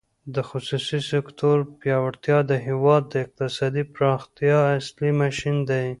د خصوصي سکتور پیاوړتیا د هېواد د اقتصادي پراختیا اصلي ماشین دی.